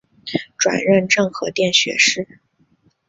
转任政和殿学士。